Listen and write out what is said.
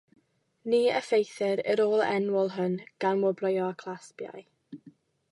Ni effeithir yr ôl-enwol hwn gan wobrwyo clasbiau.